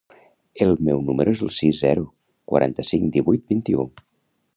El meu número es el sis, zero, quaranta-cinc, divuit, vint-i-u.